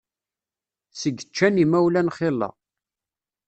Seg ččan yimawlan xilla.